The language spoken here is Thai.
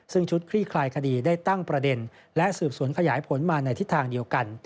ซึ่งชุดคลี่คลายคดีได้ตั้งประเด็นและสืบสวนขยายผลมาในทิศทางเดียวกัน